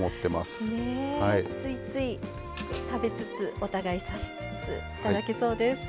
ついつい食べつつお互い差しつつ頂けそうです。